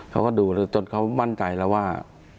เขาก็ดูจนเขามั่นใจแล้วว่า